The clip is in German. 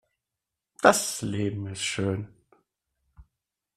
Das Leben ist schön!